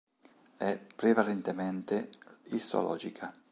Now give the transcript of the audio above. È prevalentemente istologica.